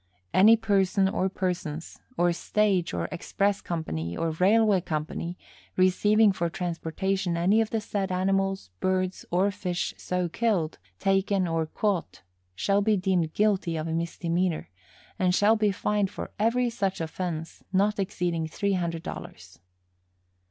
Any person or persons, or stage or express company or railway company, receiving for transportation any of the said animals, birds or fish so killed, taken or caught shall be deemed guilty of a misdemeanor, and shall be fined for every such offense not exceeding three hundred dollars.